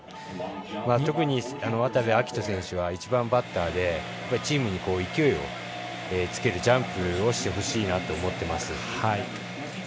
特に渡部暁斗選手は１番バッターでチームに勢いをつけるジャンプをしてほしいなと思ってます。